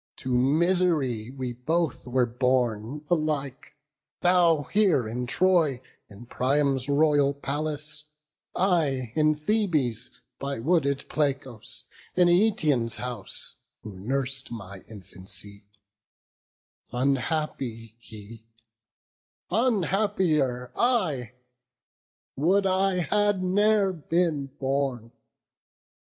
to misery We both were born alike; thou here in Troy In Priam's royal palace; I in Thebes, By wooded Placos, in Eetion's house, Who nurs'd my infancy; unhappy he, Unhappier I! would I had ne'er been born!